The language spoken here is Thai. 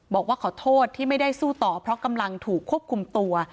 บอกว่าขอโทษที่ไม่ได้สู้ต่อเพราะกำลังถูกควบคุมตัว